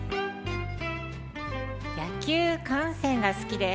野球観戦が好きです。